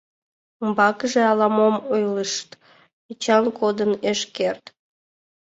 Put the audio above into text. Умбакыже ала-мом ойлышт, Эчан кодын ыш керт.